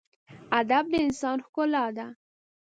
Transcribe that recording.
ادب د انسان ښکلا ده.